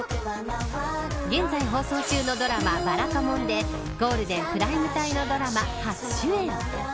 現在放送中のドラマばらかもんでゴールデン・プライム帯のドラマ初主演。